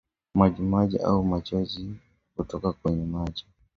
Majimaji au machozi kutoka kwenye macho